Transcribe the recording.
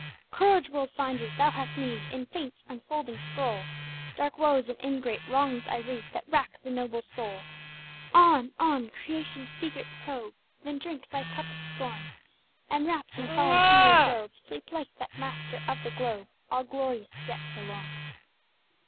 Courage, World finder! Thou hast need! In Fate's unfolding scroll, Dark woes and ingrate wrongs I read, That rack the noble soul. On! on! Creation's secrets probe, Then drink thy cup of scorn, And wrapped in fallen Cæsar's robe, Sleep like that master of the globe, All glorious, yet forlorn.